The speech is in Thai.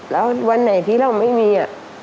แล้ววันไหนที่เราไม่มี